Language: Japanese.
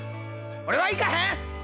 俺は行かへん！